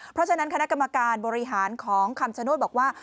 เพราะฉะนั้นคณะกรรมการบริหารของคำชโนธบอกว่า